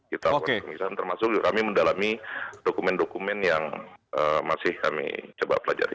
kita lakukan pemeriksaan termasuk kami mendalami dokumen dokumen yang masih kami coba pelajari